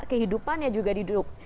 kehidupannya juga diduk